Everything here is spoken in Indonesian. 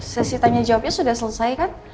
sesi tanya jawabnya sudah selesai kan